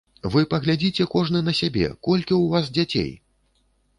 Вы паглядзіце кожны на сябе, колькі ў вас дзяцей!